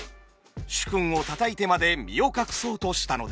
主君を叩いてまで身を隠そうとしたのです。